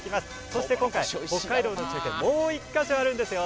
そして今回、北海道の中継もう１か所あるんですよ。